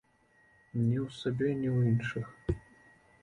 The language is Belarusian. Ні ў сабе, ні ў іншых.